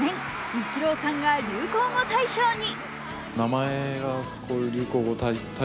イチローさんが流行語大賞に。